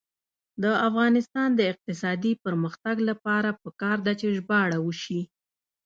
د افغانستان د اقتصادي پرمختګ لپاره پکار ده چې ژباړه وشي.